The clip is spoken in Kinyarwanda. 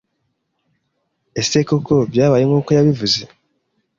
Ese koko byabaye nkuko yabivuze?